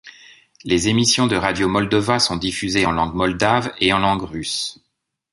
Les émissions de Radio Moldova sont diffusées en langue moldave et en langue russe.